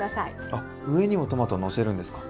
あ上にもトマトをのせるんですか？